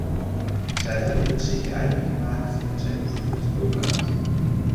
Zij hebben het zich eigen gemaakt en zij oefenen het ook uit.